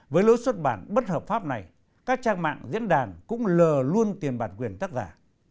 với lối xuất bản bất hợp pháp này các trang mạng diễn đàn cũng lờ luôn tiền bản quyền tác giả